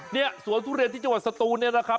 นี้สวนทุเรียนที่จังหวัดสตูน่ะครับ